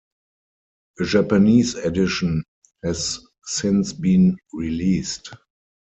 A Japanese edition has since been released.